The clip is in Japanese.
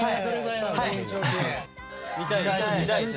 「見たいです」